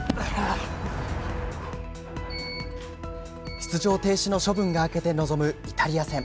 出場停止の処分が明けて臨むイタリア戦。